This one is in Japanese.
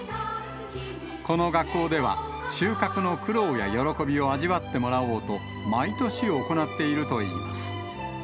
この学校では、収穫の苦労や喜びを味わってもらおうと、毎年行っているといいます。